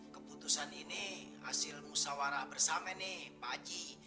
keputusan ini hasil musyawarah bersama nih pak haji